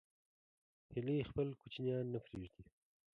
هیلۍ خپل کوچنیان نه پرېږدي